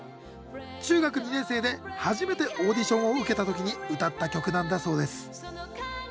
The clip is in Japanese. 中学２年生で初めてオーディションを受けた時に歌った曲なんだそうです